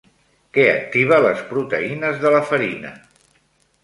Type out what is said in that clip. Què activa les proteïnes de la farina?